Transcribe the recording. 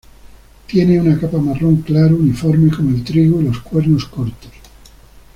Tiene una capa marrón claro uniforme como el trigo y los cuernos cortos.